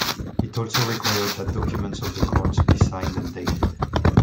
It also required that documents of the courts be signed and dated.